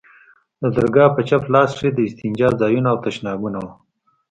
د درگاه په چپ لاس کښې د استنجا ځايونه او تشنابونه وو.